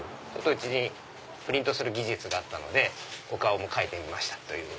うちにプリントする技術があったのでお顔も描いてみましたという。